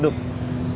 sudah pesen minum